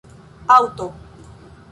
aŭto